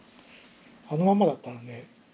あのまんまだったらね。